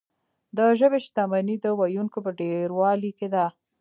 د ژبې شتمني د ویونکو په ډیروالي کې ده.